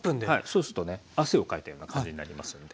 そうするとね汗をかいたような感じになりますので。